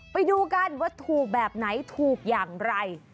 ไปดูกันว่าถูกแบบไหนถูกอย่างไร